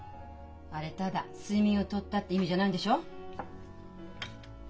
あれただ睡眠をとったって意味じゃないんでしょう？